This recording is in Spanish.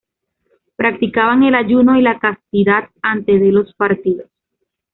Practicaban el ayuno y la castidad antes de los partidos.